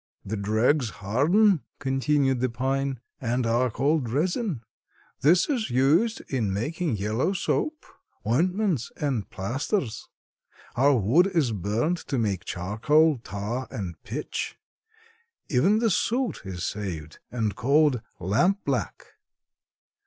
"The dregs harden," continued the pine, "and are called resin. This is used in making yellow soap, ointments and plasters. Our wood is burned to make charcoal, tar and pitch. Even the soot is saved, and called lampblack.